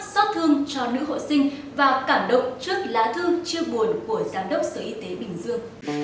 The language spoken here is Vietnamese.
xót thương cho nữ hội sinh và cảm động trước lá thư chia buồn của giám đốc sở y tế bình dương